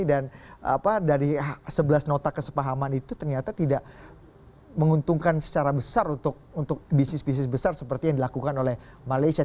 dan apa dari sebelas nota kesepahaman itu ternyata tidak menguntungkan secara besar untuk bisnis bisnis besar seperti yang dilakukan oleh malaysia